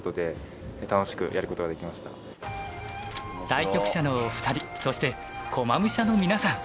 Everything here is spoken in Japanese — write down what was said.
対局者のお二人そして駒武者の皆さん